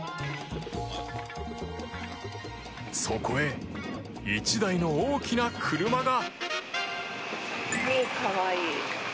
そこへ、１台の大きな車が。